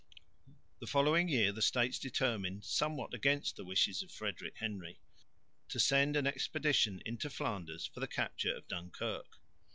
The following year the States determined, somewhat against the wishes of Frederick Henry, to send an expedition into Flanders for the capture of Dunkirk.